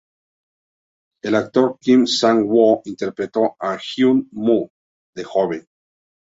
El actor Kim Sang-woo interpretó a Hyun-moo de joven.